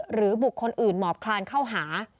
หรือบุคคลอื่นหมอบคลานเข้าหา